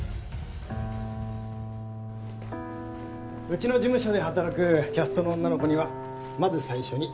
うちの事務所で働くキャストの女の子にはまず最初に。